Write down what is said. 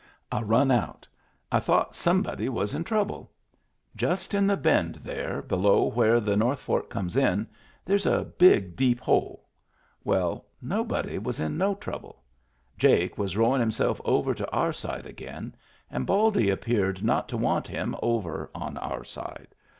I run out I thought somebody was in trouble. Just in the bend there below where the North Fork comes in, there's a big deep hole. Well, nobody was in no trouble. Jake was rowin' himself over to our side again, and Baldy appeared not to want him over on our side.